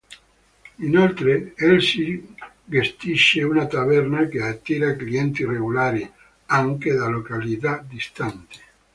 Inoltre, Elsie gestisce una taverna che attira clienti regolari anche da località distanti.